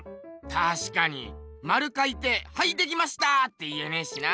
たしかにまるかいてはいできましたって言えねえしな。